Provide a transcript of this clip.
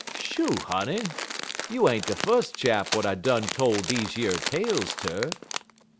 Shoo, honey! you ain't de fus' chap w'at I done tole deze yer tales ter."